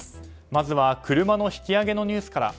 まずは車の引き揚げのニュースから。